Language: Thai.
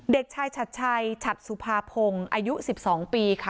เด็กชายชัดชัยฉัดสุภาพงอายุ๑๒ปีค่ะ